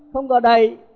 không có đầy